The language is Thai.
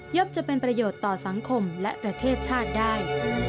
จะเป็นประโยชน์ต่อสังคมและประเทศชาติได้